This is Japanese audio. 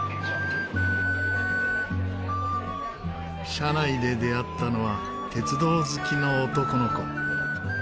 車内で出会ったのは鉄道好きの男の子。